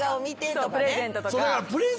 そうプレゼントとか。